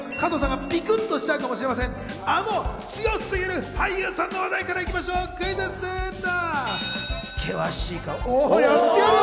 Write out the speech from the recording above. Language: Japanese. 加藤さんがびくっとしちゃうかもしれない、あの強すぎる、あの俳優さんの話題から行きましょう、クイズッスと。